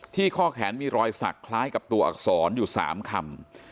ข้อแขนมีรอยสักคล้ายกับตัวอักษรอยู่๓คำ